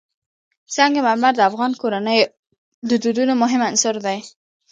سنگ مرمر د افغان کورنیو د دودونو مهم عنصر دی.